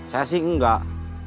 saya sih gak